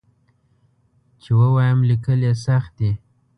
چې ووایم لیکل یې سخت دي.